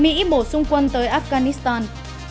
mỹ bổ sung quân tới afghanistan